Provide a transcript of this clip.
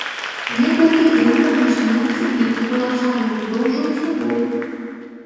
Некалькі дзён паміж немцамі і палачанамі доўжыўся бой.